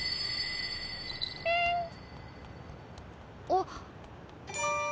あっ！